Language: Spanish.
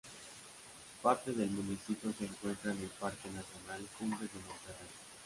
Parte del municipio se encuentra en el Parque Nacional Cumbres de Monterrey.